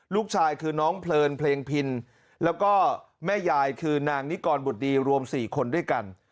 ลูกชายคือน้องเพลินเพลงพินแล้วก็แม่ยายคือนางนิกรบุตรดีรวม๔คนด้วยกัน